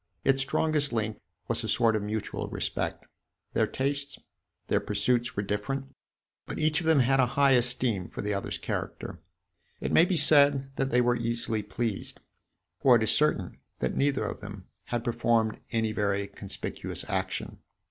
Its strongest link was a sort of mutual respect. Their tastes, their pursuits were different; but each of them had a high esteem for the other's character. It may be said that they were easily pleased; for it is certain that neither of them had performed any very conspicuous action.